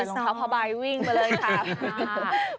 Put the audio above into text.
ใส่รองเท้าบ๊ายวิ่งมาเลยครับ